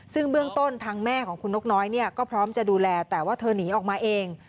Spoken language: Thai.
ซึ่งเบื้องต้นทางแม่ของคุณนกน้อยเนี่ยก็พร้อมจะดูแลแต่ว่าเธอหนีออกมาเอง